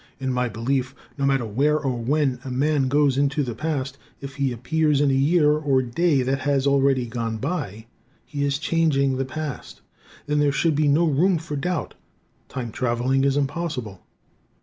In my belief, no matter where or when a man goes into the past, if he appears in a year or day that has already gone by, he is changing the past. Then there should be no room for doubt: time travelling is impossible.